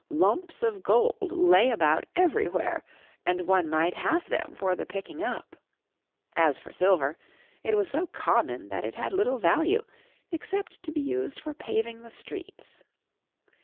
Lumps of gold lay about everywhere, and one might have them for the picking up. As for silver, it was so common that it had little value except to be used for paving the streets.